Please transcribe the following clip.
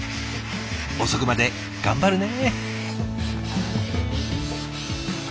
遅くまで頑張るね。